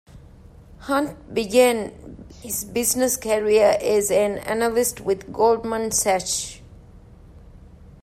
Hunt began his business career as an analyst with Goldman Sachs.